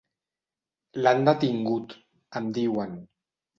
L'han detingut —em diuen.